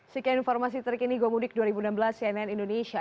sekian informasi terkini gomudik dua ribu enam belas cnn indonesia